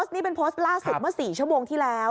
นี่เป็นโพสต์ล่าสุดเมื่อ๔ชั่วโมงที่แล้ว